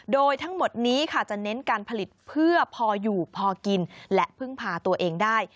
โดยทั้งหมดนี้ค่ะจะเน้นการผลิตเพื่อพออยู่พอกินและพึ่งพาตัวเองได้